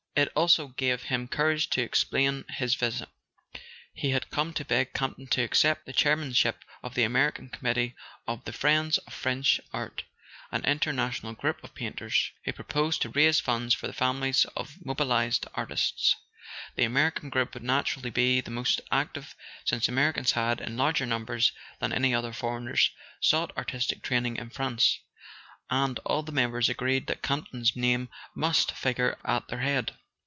It also gave him courage to explain his visit. He had come to beg Campton to accept the chair¬ manship of the American Committee of "The Friends of French Art/' an international group of painters who proposed to raise funds for the families of mobil¬ ised artists. The American group would naturally be the most active, since Americans had, in larger num¬ bers than any other foreigners, sought artistic training in France; and all the members agreed that Campton's name must figure at their head.